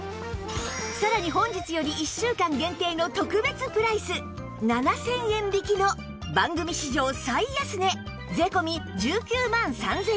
さらに本日より１週間限定の特別プライス７０００円引きの番組史上最安値税込１９万３０００円